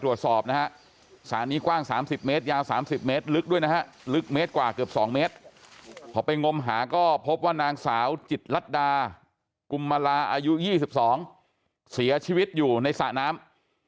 ว่านางสาวจิตรัฐดากุมมาลาอายุ๒๒เสียชีวิตอยู่ในสระน้ำ